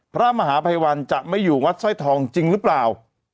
พระมหาภัยวันจะไม่อยู่วัดสร้อยทองจริงหรือเปล่า